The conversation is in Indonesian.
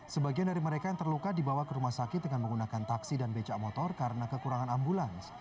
sebagian dari mereka yang terluka dibawa ke rumah sakit dengan menggunakan taksi dan becak motor karena kekurangan ambulans